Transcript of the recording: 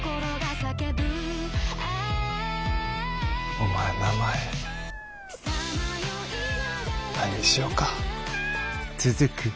お前名前何にしよか。